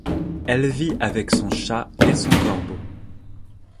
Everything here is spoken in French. Elle vit avec son chat et son corbeau.